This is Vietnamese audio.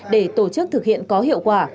để tổ chức thực hiện có hiệu quả